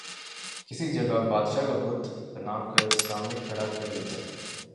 کسی جگہ بادشاہ کا بت بنا کر سامنے کھڑا کرلیتے